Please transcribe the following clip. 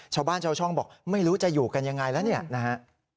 ชาวบ้านชาวช่องบอกไม่รู้จะอยู่กันยังไงแล้วเนี่ยนะฮะ